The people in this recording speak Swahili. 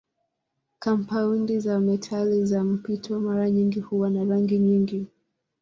Kampaundi za metali za mpito mara nyingi huwa na rangi nyingi.